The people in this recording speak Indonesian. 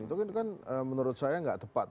itu kan menurut saya nggak tepat